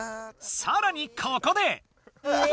さらにここで！